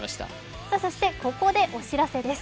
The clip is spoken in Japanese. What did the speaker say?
そしてここでお知らせです。